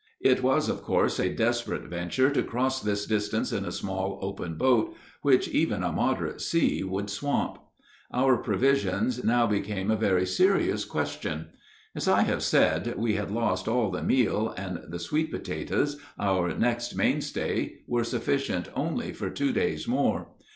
It was of course a desperate venture to cross this distance in a small open boat, which even a moderate sea would swamp. Our provisions now became a very serious question. As I have said, we had lost all the meal, and the sweet potatoes, our next main stay, were sufficient only for two days more.